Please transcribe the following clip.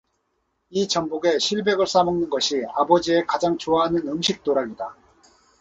이 전복에 실백을 싸 먹는 것이 아버지의 가장 좋아하는 음식도락이다.